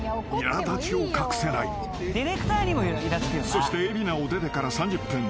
［そして海老名を出てから３０分。